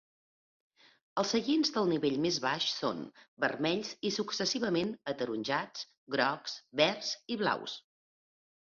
Els seients del nivell més baix són vermells i, successivament, ataronjats, grocs, verds i blaus.